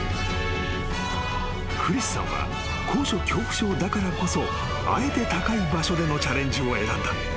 ［クリスさんは高所恐怖症だからこそあえて高い場所でのチャレンジを選んだ］